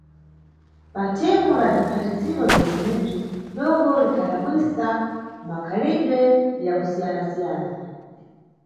Pa thimu la bziphatiziro bzentsenebzi dongo likhadabwisa mmakhalidwe ya kusiyana-siyana.